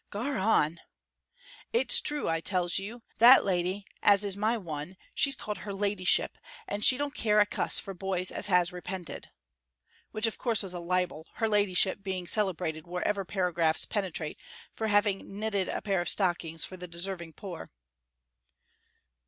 "Gar on!" "It's true, I tells you. That lady as is my one, she's called her ladyship, and she don't care a cuss for boys as has repented," which of course was a libel, her ladyship being celebrated wherever paragraphs penetrate for having knitted a pair of stockings for the deserving poor.